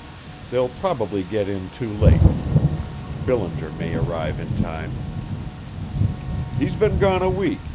They'll probably get in too late. Billinger may arrive in time." "He's been gone a week.